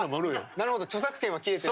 なるほど著作権は切れてるからね。